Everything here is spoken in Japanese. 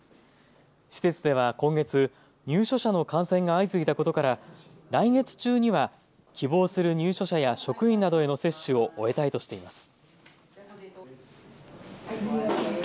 施設では今月、入所者の感染が相次いだことから来月中には希望する入所者や職員などへの接種を終えたいとしています。